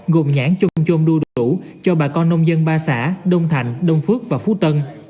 gồm nhãn chôm chôm đu đủ cho bà con nông dân ba xã đông thành đông phước và phú tân